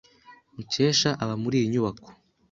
Mukesha aba muri iyi nyubako.